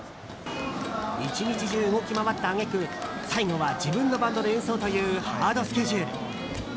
１日中動き回った揚げ句最後は自分のバンドで演奏というハードスケジュール。